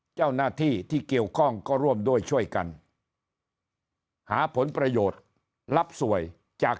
เจ้าหน้าที่ที่เกี่ยวข้องก็ร่วมด้วยช่วยกันหาผลประโยชน์รับสวยจาก